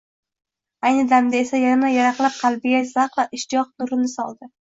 ayni damda esa yana yaraqlab qalbiga shavq va ishtiyoq nurini soldi.